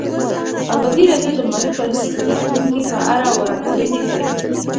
ازادي راډیو د مالي پالیسي د راتلونکې په اړه وړاندوینې کړې.